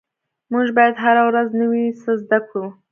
مونږ باید هره ورځ نوي څه زده کړو